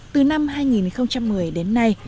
từ năm hai nghìn một mươi đến nay